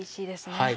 はい。